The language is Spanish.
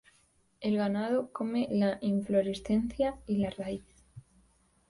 El ganado come la inflorescencia y la raíz.